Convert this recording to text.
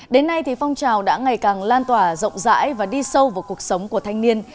đến nay thì phong trào đã ngày càng lan tỏa rộng rãi và đi sâu vào cuộc sống của thanh niên